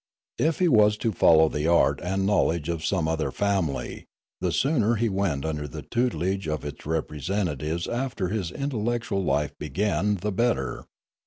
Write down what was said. If he was to follow the art and knowledge of some other family, the sooner he went under the tutelage of its representatives after his intel lectual life began the better.